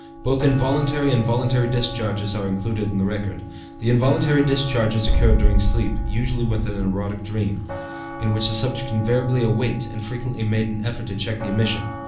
Both involuntary and voluntary discharges are included in the record. The involuntary discharges occurred during sleep, usually with an erotic dream, in which the subject invariably awaked and frequently made an effort to check the emission.